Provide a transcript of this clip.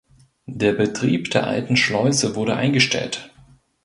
Der Betrieb der alten Schleuse wurde eingestellt.